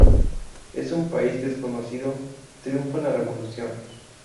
En un país desconocido triunfa la revolución.